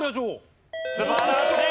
素晴らしい！